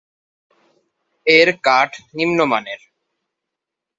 এর কাঠ নিম্নমানের।